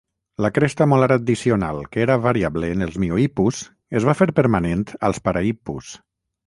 La cresta molar addicional que era variable en els Miohippus es va fer permanent als Parahippus.